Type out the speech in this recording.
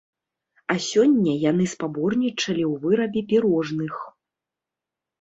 А сёння яны спаборнічалі ў вырабе пірожных.